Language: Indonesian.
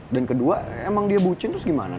dan kedua emang dia bucin terus gimana dong